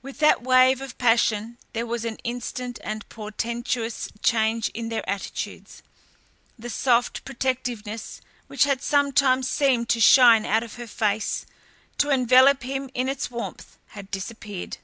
With that wave of passion there was an instant and portentous change in their attitudes. The soft protectiveness which had sometimes seemed to shine out of her face, to envelop him in its warmth, had disappeared.